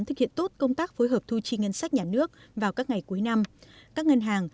thực hiện tốt công tác phối hợp thu chi ngân sách nhà nước vào các ngày cuối năm các ngân hàng